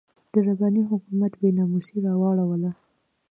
د رباني حکومت بې ناموسي راواړوله.